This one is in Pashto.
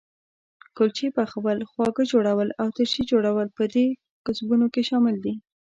کلچې پخول، خواږه جوړول او ترشي جوړول په دې کسبونو کې شامل دي.